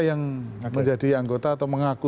yang menjadi anggota atau mengaku